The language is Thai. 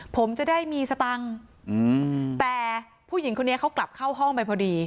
ผมจะได้มีสตังค์แต่ผู้หญิงคนนี้เขากลับเข้าห้องไปพอดี